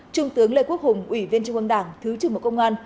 trung tướng lê quốc hùng ủy viên trung ương đảng thứ trưởng bộ công an